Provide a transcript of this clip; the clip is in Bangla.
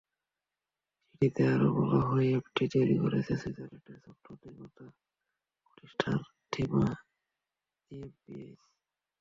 চিঠিতে আরও বলা হয়, অ্যাপটি তৈরি করেছে সুইজারল্যান্ডের সফটওয়্যার নির্মাতা প্রতিষ্ঠান থ্রিমা জিএমবিএইচ।